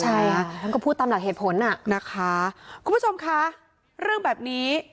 ใช่ค่ะท่านก็พูดตามหลักเหตุผลอ่ะนะคะคุณผู้ชมคะเรื่องแบบนี้